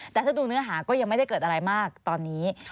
แต่ถ้าดูเนื้อหาก็ยังไม่ได้เกิดอะไรมากตอนนี้